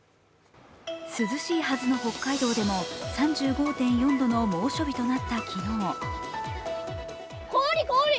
涼しいはずの北海道でも３５．４度の猛暑日となった昨日。